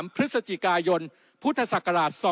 พฤศจิกายนพุทธศักราช๒๕๖